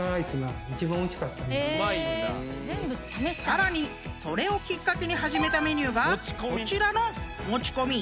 ［さらにそれをきっかけに始めたメニューがこちらの持ち込み］